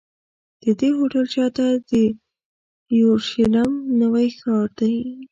د دې هوټل شاته د یورشلېم نوی ښار دی.